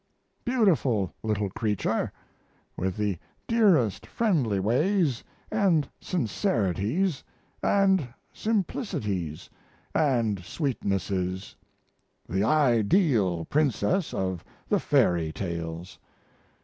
Beautiful little creature, with the dearest friendly ways & sincerities & simplicities & sweetnesses the ideal princess of the fairy tales.